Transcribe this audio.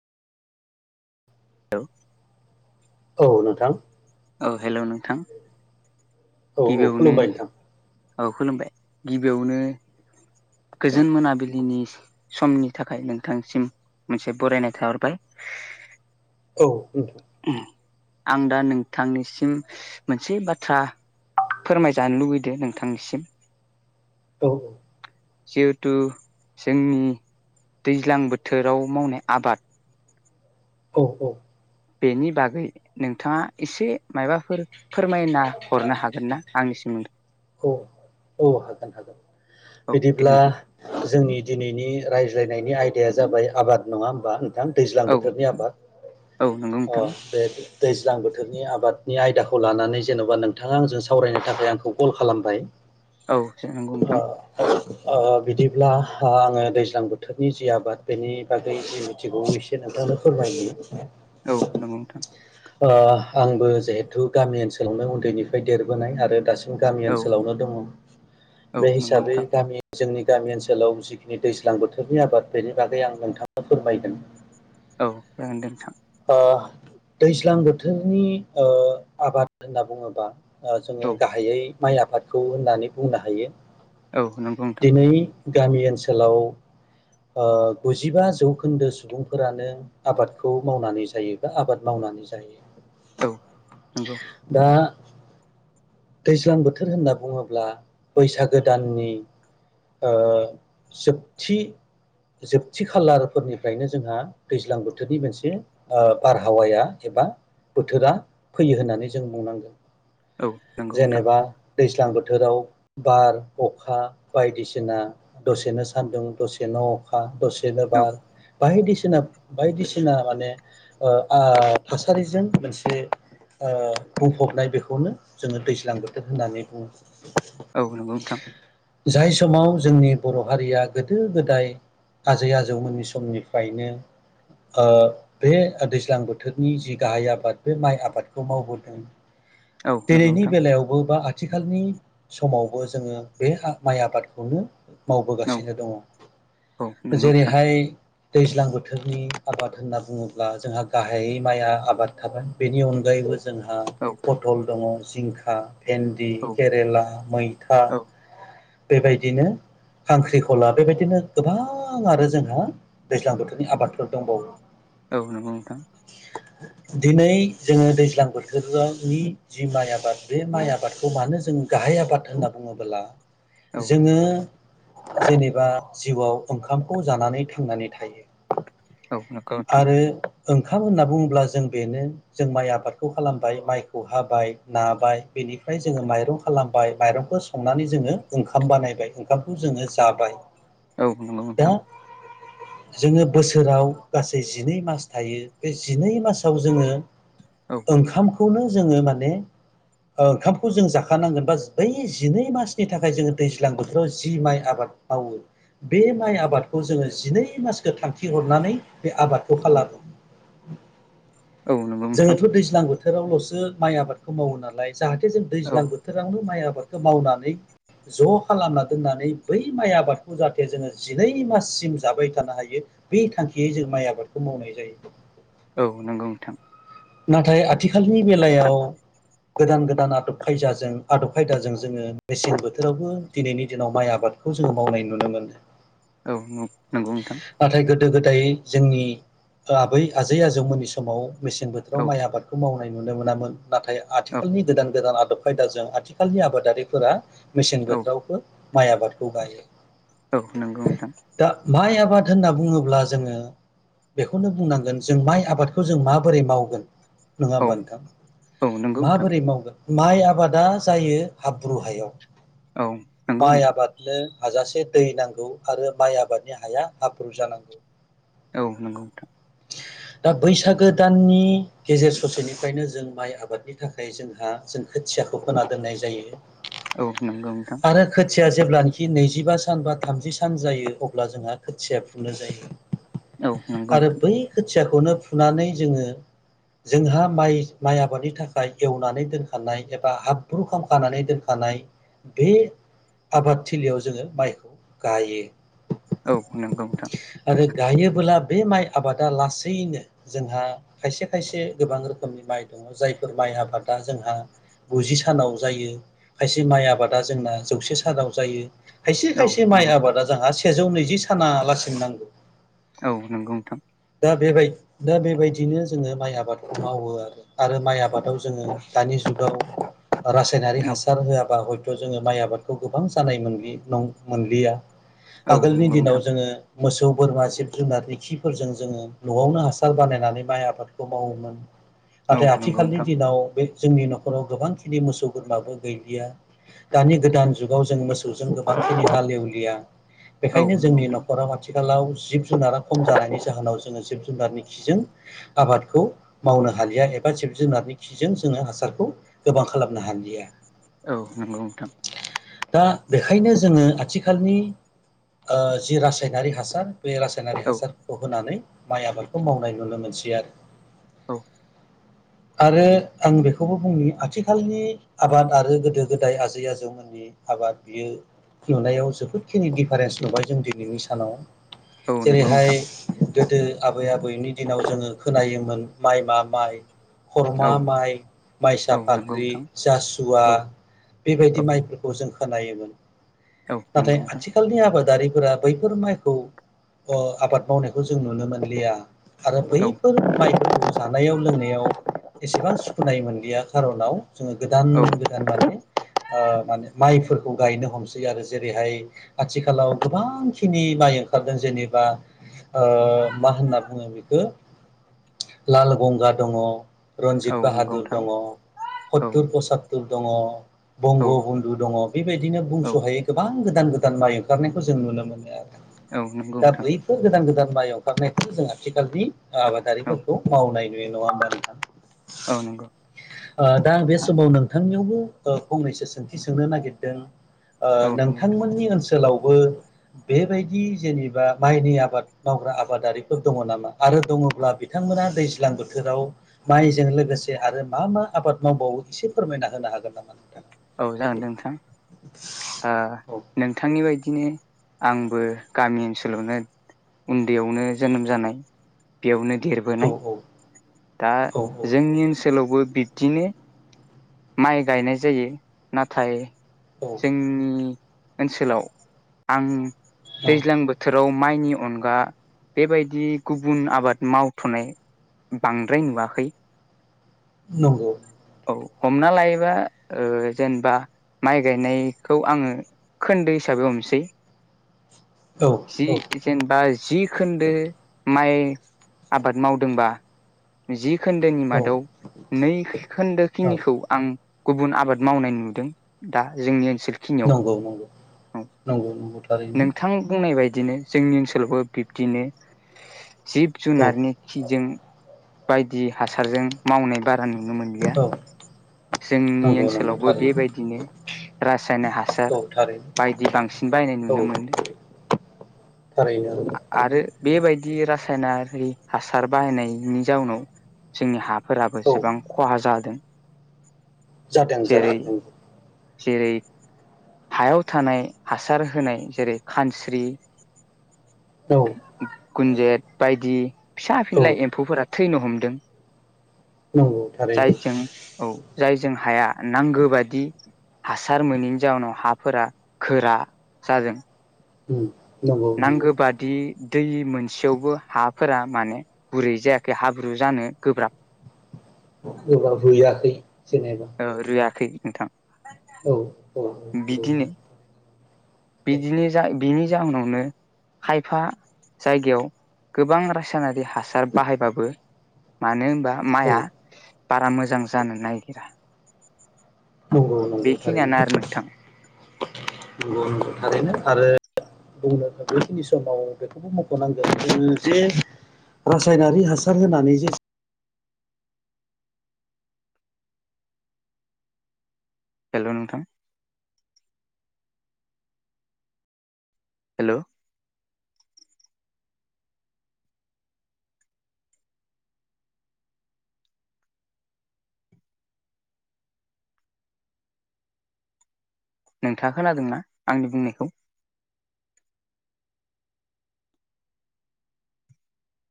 हेल' औ नोंथां। औ हेल' नोंथां। औ औ गिबियावनो खुलुमबाय नोंथां औ खुलुमबाय गिबियावनो गोजोन मोनाबिलिनि समनि थाखाय नोंथांसिम मोनसे बरायनाय थाहरबाय उथ आं दा नोंथांनिसिम मोनसे बाथ्रा फोरमायजानो लुबैदों नोंथांनिसिम औ औ सेउथु जोंनि दैज्लां बोथोराव मावनाय आबाद औ औ बेनि बागै नोंथाङा एसे माबाफोर फोरमायना हरनो हागोन ना आंनिसिम औ औ हागोन हागोन औ दे बिदिब्ला नोंथां जोंनि दिनैनि रायज्लायनायनि आयदाया जों जाबाय आबाद नङा होमबा? दैज्लां औ बोथोरनि आबाद औ नंगौ अ नोंथां बे दैज्लां बोथोरनि आबादनि आयदाखौ खौ लानानै जेन'बा नोंथाङा आंजों सावरायनो थाखाय आंखौ कल खालामबाय औ नंगौ ओ नोंथां बिदिब्ला आङो दैज्लां बोथोरनि जि आबाद बेनि बागै जि मिथिगौ एसे नों नो फोरमायो औ नंगौ नोंथां। ओ आंबो जिहेथु गामि ओनसोलावनो उन्दैनिफ्राय देरबोनाय आरो दासिम जों गामि औ ओनसोलावनो दङ औ बे नंगौ हिसाबै नोंथां गामि जोंनि गामि ओनसोलाव जिखिनि दैज्लां बोथोरनि आबाद बेनि बागै आं नोंथांनो फोरमायगोन औ जागोन दे नोंथां ओ दैज्लां बोथोरनि आबाद होनना बुङोबा औ जोङो गाहायै माइ आफादखौ होननानै बुंनो हायो औ नोंगौ नोंथां दिनै गामि ओनसोलाव गुजिबा जौखोन्दो सुबुंफोरानो आबादखौ मावनानै जायोबा आबाद मावनानै जायो औ नंगौ दा दैज्लां बोथोर होनना बुङोब्ला बैसागो दाननि आ जोबथि जोबथि खालारफोरनिफ्रायनो जोंहा दैज्लां बोथोरनि मोनसे बारहावाया एबा बा बोथोरा फैयो होननानै जों बुंनांगोन औ नंगौ नोंथां जेनेबा दैज्लां बोथोराव बार अखा बायदिसिना दसेनो सान्दुं दसेनो अखा दसेनो औ बार बायदिसिना ना बायदिसिना माने थासारिजों मोनसे ओ बुंफबनाय बेखौनो जोङो दैज्लां बोथोर होननानै बुङो औ नंगौ नोंथां जाय समाव जोंनि बर' हारिया गोदो गोदाय आजै आजौमोननि समनिफ्रायनो ओ बे दैज्लां बोथोरनि जि गाहाय आबाद बे माइ आबादखौ मावबोदों औ नोंगौ नोंथां बबो बा आथिखालनि समावबो जोङो बे माइ आबादखौनो औ मावबोगासिनो औ दङ नंगौ नोंथां जेरैहाय दैज्लां बोथोरनि आबाद होनना बुङोब्ला जोंहा गाहायै माइया आबाद थाबाय बेनि अनगायैबो जोंहा औ पथल दंङ जिंखा भेन्दि औ केरेला मैथा औ बेबायदिनो खांख्रिखला बेबायदिनो गोबां आरो जोंहा दैज्लां बोथोरनि आबादफोर दंबावो औ नोंगौ नोंथां दिनै जोङो दैज्लां बोथोरजो नि जि माइ आबाद बे माइ आबादखौ मानो जों गाहाय आबाद होनना बुङोबोला औ जोङो जेनेबा जिउआव ओंखामखौ जानानै थांनानै थायो औ नगौ नोथां आरो ओंखाम होनना बुङोब्ला जों बेनो जों माइ आबादखौ खालामबाय माइखौ हाबाय नाबाय बेनिफ्राय जोङो माइरं खालामबाय माइरंखौ संनानै जोङो ओंखाम बानायबाय ओंखामखौ जोङो जाबाय औ नंगौ दा नोंथां जोङो बोसोराव गासै जिनै मास थायो बे जिनै मासाव जोङो औ ओंखामखौनो जोङो माने ओंखामखौ जों जाखानांगोन बा बै जिनै मासनि थाखाय जोङो दैज्लां बोथोराव जि माइ आबाद मावो बे माइ आबादखौ जोङो जिनै मासखो थांखि हरनानै बे आबादखौ औ खालामो औ नंगौ नोंथां जोङोथ' दैज्लां बोथोरावल'सो माइ आबादखौ मावो नालाय जाहाथे जों औ दैज्लां बोथोरावनो माइ आबादखौ मावनानै ज' खालामना दोननानै बै माइ आबादखौ जाहाथे जोङो जिनै माससिम जाबाय थानो हायो बे थांखियै जों माइ आबादखौ मावनाय जायो औ नंगौ नोंथां नाथाय आथिखालनि बेलायाव गोदान गोदान आदब खायजाजों आदब खायदाजों जोङो मेसें बोथोरावबो दिनैनि दिनाव माइ आबाद खौ जोङो मावनाय नुनो मोनो औ नंगौ नोंथां नाथाय गोदो गोदाय जोंनि आबै आजै आजौमोननि समाव मेसें बोथोराव औ माइ आबादखौ मावनाय नुनो मोनामोन नाथाय औ आथिखालनि गोदान गोदान आदब खायदाजों आथिखालनि आबादारिफोरा मेसें औ बोथोरावबो माइ आबादखौ गायो औ नंगौ नोंथां दा माइ आबाद होनना बुङोब्ला जोङो बेखौनो बुंनांगोन जों माइ आबादखौ जों माबोरै मावगोन नङा औ होमबा नोंथां औ नंगौ नोंथां माबोरै मावगोन माइ आबादा जायो हाब्रु हायाव माइ आबादनो हाजासे दै नांगौ आरो माइ आबादनि हाया हाब्रु जानांगौ औ नंगौ नोथां दा बैसागो दाननि गेजेर ससेनिफ्रायनो जों माइ आबादनि थाखाय जोंहा जों खोथियाखौ फोना दोननाय जायो औ नंगौ नोंथां आरो खोथिया जेब्लानोाखि नैजिबा सान बा थामजि सान जायो अब्ला जोंहा खोथिया फुनो जायो औ नंगौ नोंथां आरो बै खोथियाखौनो फुनानै जोङो जोंहा माइ माइ आबादनि थाखाय एवनानै दोनखानाय एबा हाब्रु खालामखानानै दोनखानाय बे आबादथिलियाव जोङो माइखौ गायो औ नंगौ नोंथां औ नंगौ नोंथां आरो गायोबोला बे माइ आबादा लासैनो जोंहा खायसे खायसे गोबां रोखोमनि माइ दङ जायफोर माइ आबादा जोंहा गुजि सानाव जायो खायसे माइ आबादा जोंना जौसे सानाव जायो खायसे औ नंगौ खायसे माइ नोंथां आबादा जोंहा सेजौ नैजि सानालासिम नांगौ औ नंगौ नोंथां दा बेबाय दा बेबायदिनो जोङो माइ आबादखौ मावो आरो आरो माइ आबादाव जोङो दानि जुगाव रासायनारि औ हासार होआबा हयथ जोङो माइ आबादखौ गोबां जानाय मोनलि नं मोनलिया औ आगोलनि नंगौ दिनाव नोंथां जोङो मोसौ बोरमा जिब जुनारनि खिफोरजों जोङो न'आवनो हासार बानायनानै माइ आबाद मावोमोन औ नाथाय नंगौ आथिखालनि नोंथां दिनाव बे जोंनि न'खराव गोबांखिनि मोसौ बोरमाबो गैलिया दानि गोदान जुगाव जों मोसौजों गोबां [inaudible] एवलिया औ बेखायनो नंगौ जोंनि नोंथां न'खराव आथि खालाव जिब-जुनारा खम जानायनि जाहोनाव जोङो जिब-जुनारनि खिजों आबादखौ मावनो हालिया एबा जिब जुनारनि खिजों जोङो हासारखौ गोबां खालामनो हालिया। औ नंगौ नोंथां दा बेखायनो जोङो आथिखालनि ओ जि रासायनारि हासार बे रासायनारि औ हासारफोरखौ होनानै माइ आबादखौ मावनाय नुनो मोनसै आरो। औ आरो आं बेखौबो बुंनि आथिखालनि आबाद आरो गोदो गोदाय आजै आजौमोननि आबाद बियो नुनायाव जोबोदखिनि दिडिफारेन्स नुबाय जों दिनैनि सानाव औ नंगौ जेरैहाय नोंथां गोदो आबै आबौनि दिनाव जोङो खोनायोमोन माइमा माइ, औ खरमा माइ, माइसा औ नंगौ फाख्रि, नोंथां जासुवा, औ बेबायदि औ माइफोरखौ जों खोनायोमोन। औ नाथाय नंगौ नोंथां आथिखालनि आबादारि फोरा बैफोर माइखौ ओ आबाद मावनायखौ जों नुनो मोनलिया आरो बै औ माइफोरखौ जानायाव लोंनायाव एसेबां सुखुनाय मोनलिया खार'नाव जोङो गोदान औ गोदान दानि ओ माने माइफोरखौ गायनो हमसै आरो जेरैहाय आथिखालाव गोबांखिनि माइ ओंखारदों जेनेबा ओ मा होनना बुङो बेखौ लाल गंगा दङ, औ रन्जित नंगौ बाहादुर नोंथां दङ, औ हत्तुर पसत्तुर दङ, औ बंग बन्दु दङ बेबायदिनो औ बुंस'हायै गोबां गोदान गोदान माइ ओंखारनायखौ जों नुनो मोनो आरो। औ नंगौ दा नोंथां बैफोर गोदान-गोदान माइ अंखारनायखौ जों आथिखालनि औ आबादारिफोरखौ मावनाय नुयो नङा होनबा नोंथां? औ नंगौ ओ दा बे समाव नोंथांनियावबो फंनैसो सोंथि सोंनो नागिरदों ओ औ नंगौ नोंथांमोननि ओनसोलावबो बेबायदि जेनेबा माइनि आबाद मावग्रा आबादारिफोर दङ नामा आरो दङब्ला बिथांमोना दैज्लां बोथोराव माइजों लोगोसे आरो मा मा आबाद मावबावो एसे फोरमायना होनो हागोन नामा? नोंथां? औ जागोन नोंथां आ औ नोंथांनि बायदि बिदिनो आंबो गामि ओनसोलावनो उन्दैयावनो जोनोम जानाय बेयावनो औ देरबोनाय, दा औ जोंनि ओनसोलावबो बिब्दिनो माइ गायनाय जायो नाथाय औ जोंनि ओनसोलाव आं औ दैज्लां बोथोराव माइनि अनगा बेबायदि गुबुन आबाद मावथ'नाय बांद्राय नुवाखै। नंगौ औ हमना लायोबा ओ जेनेबा माइ गायनायखौ आङो खोन्दो हिसाबै हमसै औ जि औ जेनेबा जि खोन्दो माइ आबाद मावदोंबा जि खोन्दोनि मादाव औ नै खोन्दो बेखिनिखौ आं गुबुन आबाद मावनाय नुदों दा जोंनि ओनसोलखिनियाव नंगौ नंगौ औ नंगौ नंगौ थारैनो नोंथां बुंनाय बायदि बिदिनो जोंनि ओनसोलावबो बिब्दिनो जिब- औ जुनारनि खिजों बायदि हासारजों मावनाय बारा नुनो मोनलिया। औ जोंनि नंगौ नंगौ ओनसोलावबो थारैनो बेबायदिनो रासायना हासार औ थारैनो बायदि बांसिन बायनाय औ नुनो मोनदों थारैनो आरो बेबायदि रासायना रि हासार बाहायनायनि जाउनाव जोंनि हाफोराबो औ गोबां खहा जादों जादों जानो जेरै हागौ जेरै हायाव थानाय हासार होनाय जेरै खानस्रि नंगौ गुुनजेत बायदि फिसा- औ औ फिनलााय एम्फौफोरा थैनो हमदों। नंगौ थारैनो। जाय जों हाया नांगौ बादि हासार मोनैनि जाउनाव हाफोरा गोरा जादों। उ। नांगौ बादि,, दै मोनसेयावबो हाफोरा माने गुरै जायाखै हाब्रु जानो गोब्राब? गोबाब हैयाखै,, जेनेबा औ रुयाखै नोंथां। औ औ नंगौ। बिदिनो औ बिदिनो जायो। बिनि जाहोनावनो खायफा जायगायाव गोबां रासायनारि,, हासार बाहायबाबो मानो,, बा औ माइआ बारा मोजां जानो नागिरा,, नंगौ नंगौ बेखिनियानो थारैनो, आरो नोंथां नंगौ नंगौ थारैनो आरो,, बुंनो हायो बेखिनि समाव बेखौबो मख'नांगोन जोङो जि,, रासायनारि हासार होनानै जे,, हेल' नोंथां,, हेल'। नोंथाङा खोनादोंना? आंनि बुंनायखौ।